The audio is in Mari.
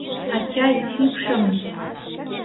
Ачай, пӱкшым...